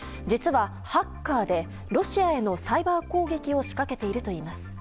実はハッカーでロシアへのサイバー攻撃を仕掛けているといいます。